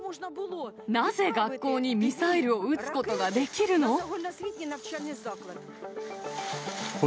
なぜ学校にミサイルを撃つことができるの？